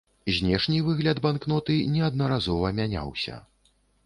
Знешні выгляд банкноты неаднаразова мяняўся.